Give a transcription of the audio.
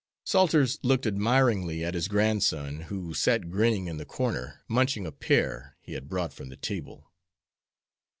Salters looked admiringly at his grandson, who sat grinning in the corner, munching a pear he had brought from the table.